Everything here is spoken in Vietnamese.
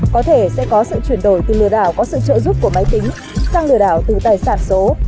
có thể sẽ có sự chuyển đổi từ lừa đảo có sự trợ giúp của máy tính sang lừa đảo từ tài sản số